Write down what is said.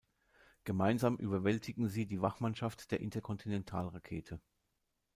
Gemeinsam überwältigen sie die Wachmannschaft der Interkontinentalrakete.